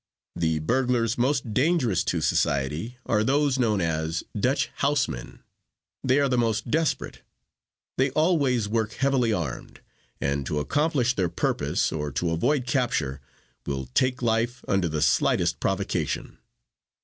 The burglars most dangerous to society are those known as 'Dutch house men.' They are the most desperate. They always work heavily armed and to accomplish their purpose or to avoid capture will take life under the slightest provocation.